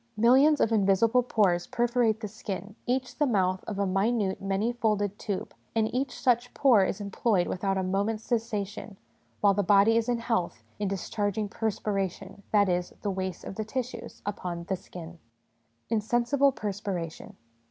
Millions of invisible pores perforate the skin, each the mouth of a minute many folded tube, and each such pore is employed without a moment's cessation, while the body is in health, in discharging perspiration that is, the waste of the tissues upon the skin. Insensible Perspiration.